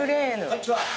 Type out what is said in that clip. こんちは。